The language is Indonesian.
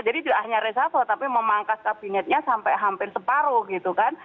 jadi tidak hanya resaso tapi memangkas kabinetnya sampai hampir separuh gitu kan